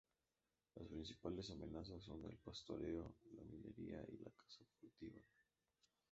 Las principales amenazas son el pastoreo, la minería y la caza furtiva.